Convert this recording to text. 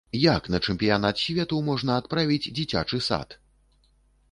Як на чэмпіянат свету можна адправіць дзіцячы сад?!